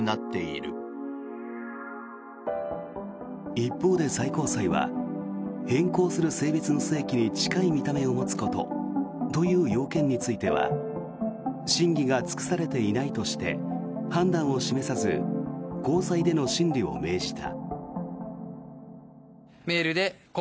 一方で最高裁は変更する性別の性器に近い見た目を持つことという要件については審議が尽くされていないとして判断を示さず高裁での審理を命じた。